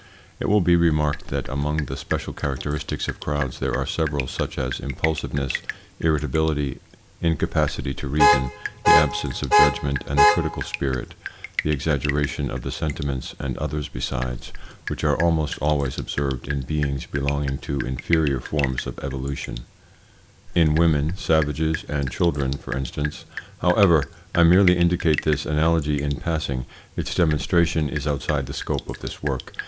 It will be remarked that among the special characteristics of crowds there are several such as impulsiveness, irritability, incapacity to reason, the absence of judgment and of the critical spirit, the exaggeration of the sentiments, and others besides which are almost always observed in beings belonging to inferior forms of evolution in women, savages, and children, for instance. However, I merely indicate this analogy in passing; its demonstration is outside the scope of this work.